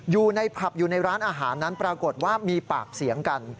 อยู่ในผับอยู่ในร้านอาหารนั้นปรากฏว่ามีปากเสียงกัน